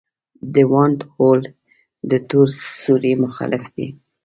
د وائټ هول د تور سوري مخالف دی.